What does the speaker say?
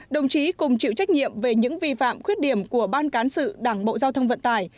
đồng chí cùng chịu trách nhiệm về những vi phạm khuyết điểm của ban cán sự đảng bộ giao thông vận tải